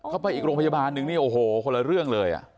ไปอีกโรงพยาบาลนึงนี่โอ้โหคนละเรื่องเลย